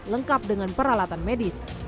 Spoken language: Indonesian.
lengkap dengan peralatan medis